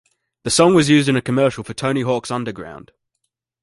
The song was used in a commercial for "Tony Hawk's Underground".